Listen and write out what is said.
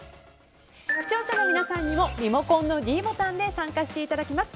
視聴者の皆さんにもリモコンのｄボタンで参加していただきます。